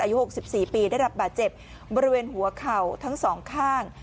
อายุ๖๔ปีได้รับบาดเจ็บบริเวณหัวเข่าทั้งสองข้าง